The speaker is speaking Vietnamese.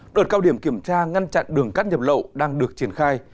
đợt cao điểm kiểm tra ngăn chặn đường cắt nhập lậu đang được triển khai